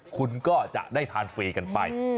คุณก็จะได้ทานฟรีกันไป